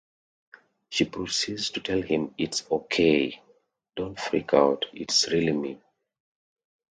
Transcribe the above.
She proceeds to tell him It's okay, don't freak out, it's really me.